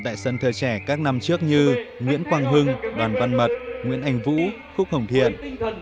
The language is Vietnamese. tại sân thơ trẻ các năm trước như nguyễn quang hưng đoàn văn mật nguyễn anh vũ khúc hồng thiện